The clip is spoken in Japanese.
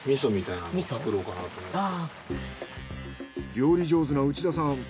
料理上手な内田さん。